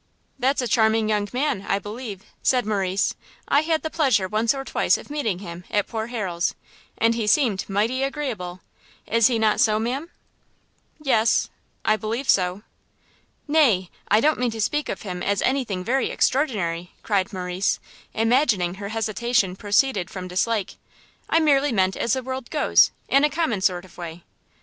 "That's a charming young man, I believe," said Morrice; "I had the pleasure once or twice of meeting him at poor Harrel's, and he seemed mighty agreeable. Is not he so, ma'am?" "Yes, I believe so." "Nay, I don't mean to speak of him as any thing very extraordinary," cried Morrice, imagining her hesitation proceeded from dislike, "I merely meant as the world goes, in a common sort of a way."